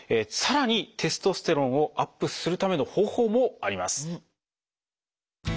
さらにテストステロンをアップするための方法もあります。